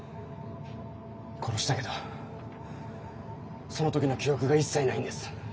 殺したけどその時の記憶が一切ないんです。